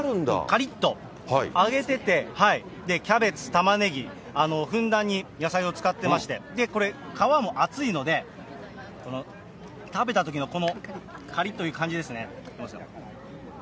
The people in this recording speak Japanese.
かりっと揚げてて、キャベツ、たまねぎ、ふんだんに野菜を使ってまして、これ、皮も厚いので、この食べたときのこのかりっという感じですね。